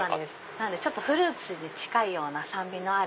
なのでフルーツに近いような酸味のある。